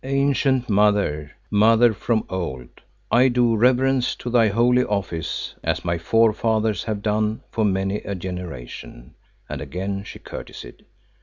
"Ancient Mother, Mother from of old, I do reverence to thy holy Office, as my forefathers have done for many a generation," and again she curtseyed.